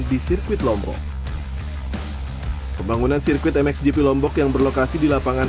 di sirkuit lombok pembangunan sirkuit mxgp lombok yang berlokasi di lapangan